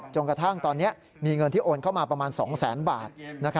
จนกระทั่งตอนนี้มีเงินที่โอนเข้ามาประมาณ๒แสนบาท